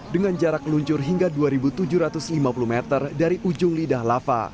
dengan jarak luncur hingga dua tujuh ratus lima puluh meter dari ujung lidah lava